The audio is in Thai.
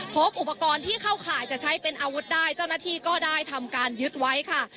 พบอุปกรณ์ที่เข้าข่ายจะใช้เป็นอาวุธได้เจ้าหน้าที่ก็ได้ทำการยึดไว้ค่ะ